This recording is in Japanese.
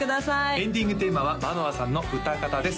エンディングテーマは舞乃空さんの「うたかた」です